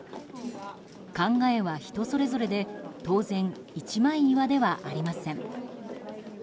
考えは人それぞれで当然、一枚岩ではありません。